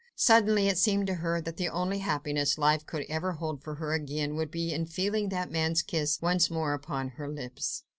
Suddenly it seemed to her that the only happiness life could ever hold for her again would be in feeling that man's kiss once more upon her lips.